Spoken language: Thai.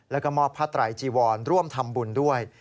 แล้วก็มอบผ้าไตรจีวรร่วมทำบุญด้วย